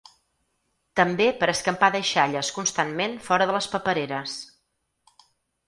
També per escampar deixalles constantment fora de les papereres.